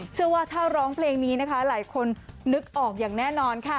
เชื่อว่าถ้าร้องเพลงนี้นะคะหลายคนนึกออกอย่างแน่นอนค่ะ